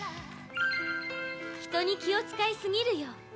人に気を遣いすぎるよ。